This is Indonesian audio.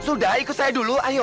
sudah ikut saya dulu ayo